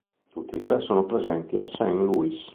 Tutti e tre sono presenti a Saint Louis.